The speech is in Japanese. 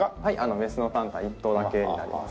メスのタンタン１頭だけになります。